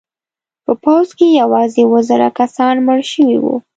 په پوځ کې یوازې اوه زره کسان مړه شوي وو.